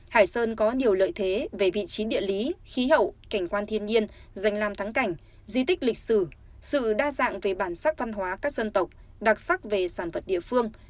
hải sơn có nhiều lợi thế về vị trí địa lý khí hậu cảnh quan thiên nhiên danh làm thắng cảnh di tích lịch sử sự đa dạng về bản sắc văn hóa các dân tộc đặc sắc về sản vật địa phương